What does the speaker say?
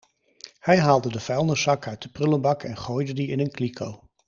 Hij haalde de vuilniszak uit de prullenbak en gooide die in een kliko.